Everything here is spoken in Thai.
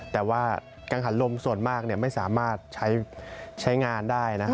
แต่ว่ากังหันลมส่วนมากไม่สามารถใช้งานได้